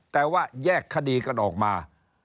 แต่ว่าแยกคดีกันออกมา